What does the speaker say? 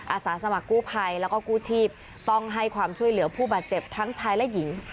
อาสาสมัครกู้ภัยแล้วก็กู้ชีพต้องให้ความช่วยเหลือผู้บาดเจ็บทั้งชายและหญิง